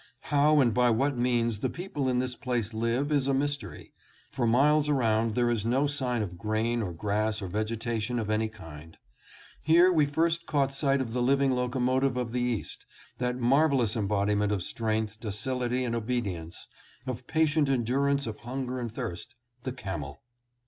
How and by what means the people in this place live is a mystery. For miles around there is no sign of grain or grass or vegetation of any kind. Here we first caught sight of the living locomotive of the East, that marvelous embodiment of strength, docility, and obedience, of patient endurance of hunger and thirst — the camel.